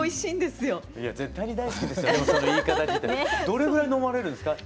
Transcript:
どれぐらい飲まれるんですか？